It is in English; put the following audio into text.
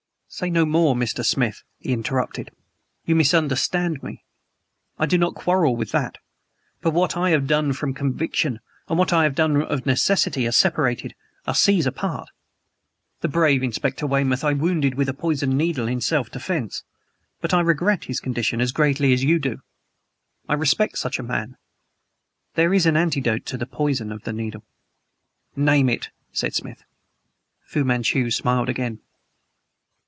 "Say no more, Mr. Smith," he interrupted; "you misunderstand me. I do not quarrel with that, but what I have done from conviction and what I have done of necessity are separated are seas apart. The brave Inspector Weymouth I wounded with a poisoned needle, in self defense; but I regret his condition as greatly as you do. I respect such a man. There is an antidote to the poison of the needle." "Name it," said Smith. Fu Manchu smiled again.